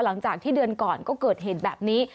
หลังจากที่เดือนก่อนก็เกิดเหตุแบบนี้